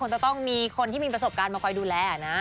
จะต้องมีคนที่มีประสบการณ์มาคอยดูแลนะ